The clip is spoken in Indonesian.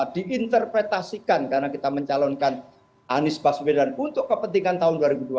diinterpretasikan karena kita mencalonkan anies baswedan untuk kepentingan tahun dua ribu dua puluh